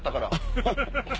ハハハハ！